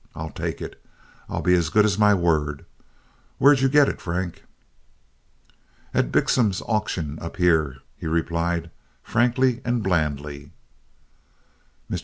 I'll take it. I'll be as good as my word. Where'd you get it, Frank?" "At Bixom's auction up here," he replied, frankly and blandly. Mr.